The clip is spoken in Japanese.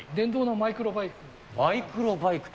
マイクロバイクと。